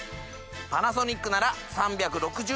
パナソニックなら３６０°